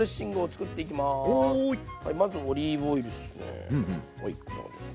まずオリーブオイルですね。